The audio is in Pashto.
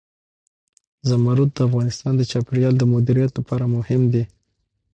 زمرد د افغانستان د چاپیریال د مدیریت لپاره مهم دي.